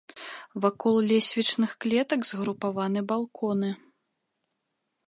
Вакол лесвічных клетак згрупаваны балконы.